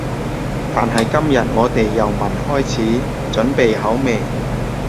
但係今日我哋由聞開始，準備好未？